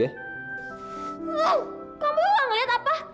wah kamu luar ngeliat apa